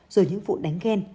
rồi những vụ đánh ghen